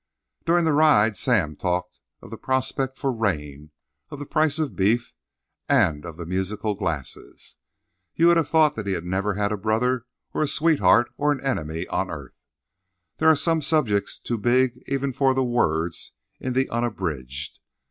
During the ride Sam talked of the prospect for rain, of the price of beef, and of the musical glasses. You would have thought he had never had a brother or a sweetheart or an enemy on earth. There are some subjects too big even for the words in the "Unabridged."